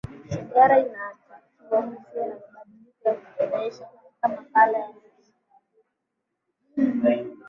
shajara ianatakiwa isiwe na mabadilko ya kufedheesha katika makala ya mwisho